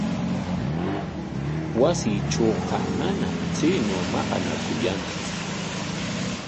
Wasiitrawqa manam chaynaw maqanakuyantsu.